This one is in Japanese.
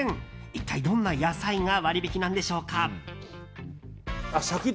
一体どんな野菜が割引なんでしょうか。